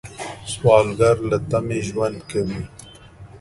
سوالګر له تمې ژوند کوي